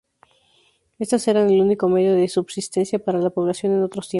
Éstas eran el único medio de subsistencia para la población en otros tiempos.